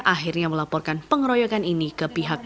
akhirnya melaporkan pengoroyokan ini ke pihak jenis